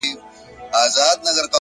مثبت ذهن د ستونزو تر شا حل ویني,